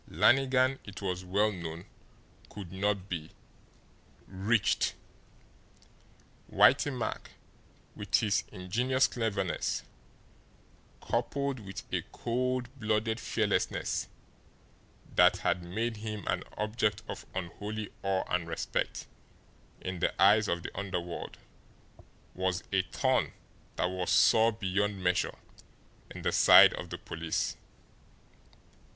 Lannigan, it was well known, could not be "reached." Whitey Mack, with his ingenious cleverness, coupled with a cold blooded fearlessness that had made him an object of unholy awe and respect in the eyes of the underworld, was a thorn that was sore beyond measure in the side of the police.